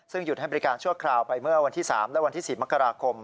ซึ่งหยุดให้บริการชั่วคราวไปเมื่อวันที่๓และวันที่๔มกราคม